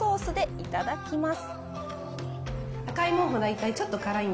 いただきまーす。